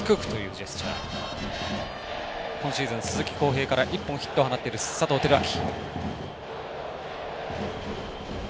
今シーズン、鈴木康平から１本ヒットを放っている佐藤輝明。